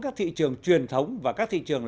các thị trường truyền thống và các thị trường